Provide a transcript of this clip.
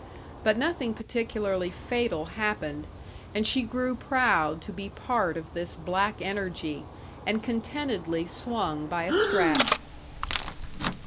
But nothing particularly fatal happened; and she grew proud to be part of this black energy, and contentedly swung by a strap.